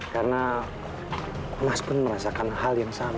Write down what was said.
karena mas pun merasakan hal yang sama